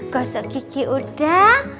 gosok gigi udah